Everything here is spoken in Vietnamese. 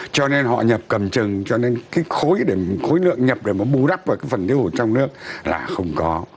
cho nên họ nhập cầm chừng cho nên cái khối lượng nhập để mà bù đắp vào cái phần thiếu hụt trong nước là không có